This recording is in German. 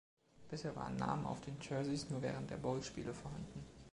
Bisher waren Namen auf den Jerseys nur während der Bowl-Spiele vorhanden.